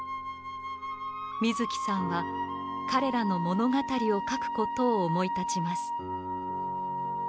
水木さんは彼らの物語をかくことを思い立ちます。